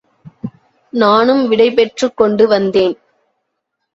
நானும் விடைபெற்றுக் கொண்டு வந்தேன்.